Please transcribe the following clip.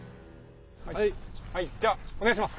じゃあお願いします！